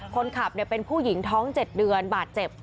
คนขับเป็นผู้หญิงท้อง๗เดือนบาดเจ็บ